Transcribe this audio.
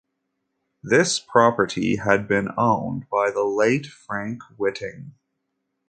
This property had been owned by the late Frank Whiting.